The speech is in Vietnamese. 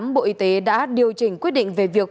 bộ y tế đã điều chỉnh quyết định về việc